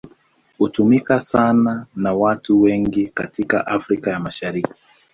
Hutumika sana na watu wengi katika Afrika ya Mashariki.